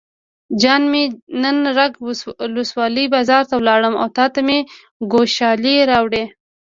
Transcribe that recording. جان مې نن رګ ولسوالۍ بازار ته لاړم او تاته مې ګوښالي راوړې.